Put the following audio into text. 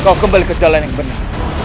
kau kembali ke jalan yang benar